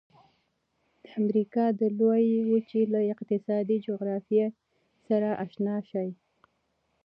د امریکا د لویې وچې له اقتصادي جغرافیې سره آشنا شئ.